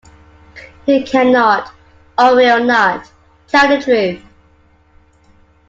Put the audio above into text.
He cannot, or will not, tell the truth.